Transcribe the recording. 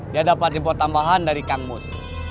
dia dapat impor tambahan dari kang mus